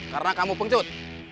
karena kamu pengecut